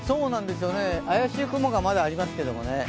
怪しい雲がまだありますけどもね。